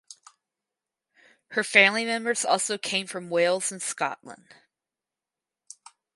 Her family members also came from Wales and Scotland.